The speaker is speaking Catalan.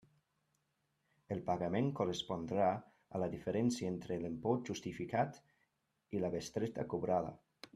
El pagament correspondrà a la diferència entre l'import justificat i la bestreta cobrada.